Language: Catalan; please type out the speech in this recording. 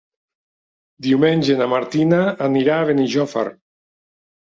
Diumenge na Martina anirà a Benijòfar.